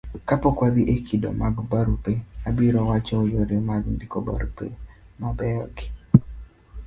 kapok wadhi e kido mag barupe, abiro wacho yore mag ndiko barupe mabeyo gi